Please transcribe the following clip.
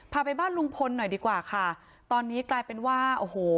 พาไปบ้านลุงพลหน่อยดีกว่าค่ะตอนนี้กลายเป็นว่าโอ้โห